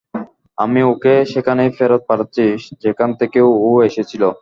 আমি ওকে সেখানেই ফেরত পাঠাচ্ছি যেখান থেকে ও এসেছিল।